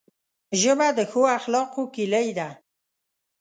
ژبه د ښو اخلاقو کلۍ ده